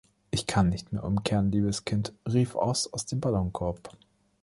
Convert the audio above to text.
„Ich kann nicht mehr umkehren, liebes Kind“, rief Oz aus dem Ballonkorb.